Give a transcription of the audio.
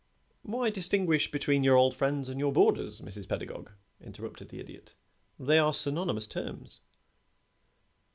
"Why distinguish between your old friends and your boarders, Mrs. Pedagog?" interrupted the Idiot. "They are synonymous terms."